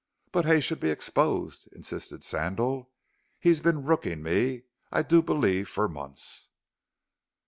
"But Hay should be exposed," insisted Sandal; "he's been rooking me, I do believe, for months."